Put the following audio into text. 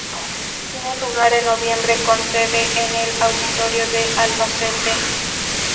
Tiene lugar en noviembre con sede en el Auditorio de Albacete.